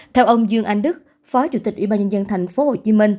theo ông dương anh đức phó chủ tịch ủy ban nhân dân tp hcm